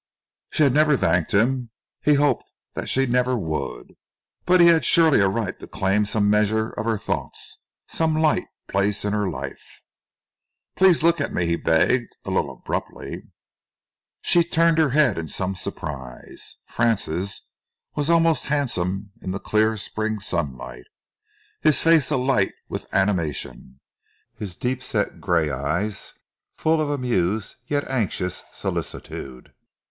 She had never thanked him he hoped that she never would but he had surely a right to claim some measure of her thoughts, some light place in her life. "Please look at me," he begged, a little abruptly. She turned her head in some surprise. Francis was almost handsome in the clear Spring sunlight, his face alight with animation, his deep set grey eyes full of amused yet anxious solicitude.